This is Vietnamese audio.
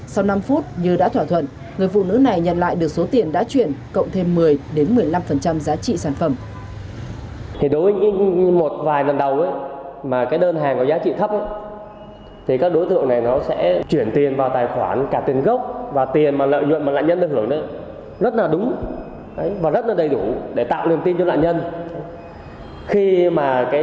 sau năm phút như đã thỏa thuận người phụ nữ này nhận lại được số tiền đã chuyển cộng thêm một mươi đến một mươi năm giá trị sản phẩm